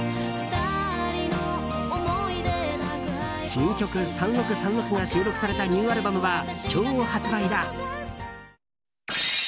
新曲「３６３６」が収録されたニューアルバムは今日発売だ。